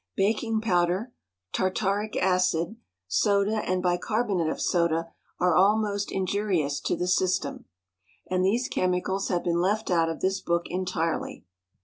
Baking powder, tartaric acid, soda and bicarbonate of soda, are all most injurious to the system, and these chemicals have been left out of this book entirely.